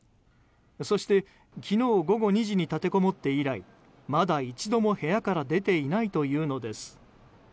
そして、昨日午後２時に立てこもって以来、まだ一度も部屋から出ていないというのです。